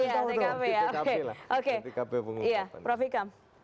ya prof ikam